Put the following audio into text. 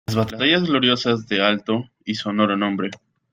¡ las batallas gloriosas de alto y sonoro nombre!